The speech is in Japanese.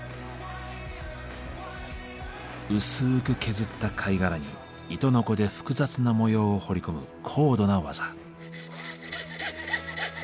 薄く削った貝殻に糸のこで複雑な模様を彫り込む高度な技。